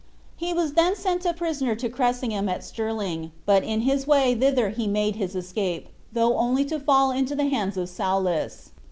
He was then sent a prisoner to Cressingham at Stirling; but in his way thither he made his escape, though only to fall into the hands of Soulis.